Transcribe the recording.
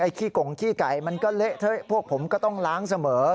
ขี้กงขี้ไก่มันก็เละเทะพวกผมก็ต้องล้างเสมอ